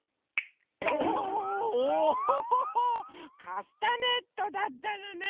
カスタネットだったのね。